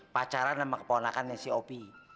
pacaran sama keponakan yang si o p